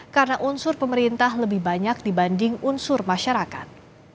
karena unsur pemerintah lebih banyak dibanding unsur masyarakat